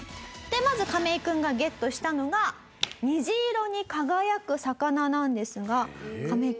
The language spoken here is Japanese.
まずカメイ君がゲットしたのが虹色に輝く魚なんですがカメイ君